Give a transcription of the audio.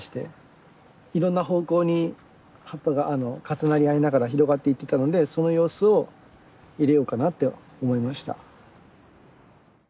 いろんな方向に葉っぱが重なり合いながら広がっていってたのでその様子を入れようかなって思いました。